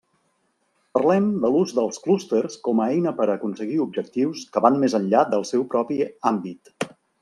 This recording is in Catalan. Parlem de l'ús dels clústers com a eina per a aconseguir objectius que van més enllà del seu propi àmbit.